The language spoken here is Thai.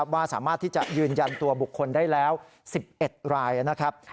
ว่าสามารถที่จะยืนยันตัวบุคคลได้แล้ว๑๑รายนะครับ